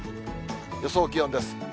予想気温です。